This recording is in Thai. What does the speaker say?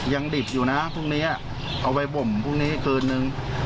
ดิบอยู่นะพรุ่งนี้เอาไปบ่มพรุ่งนี้คืนนึง